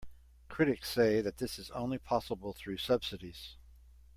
Critics say that this is only possible through subsidies.